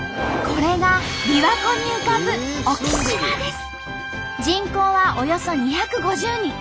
これがびわ湖に浮かぶ人口はおよそ２５０人。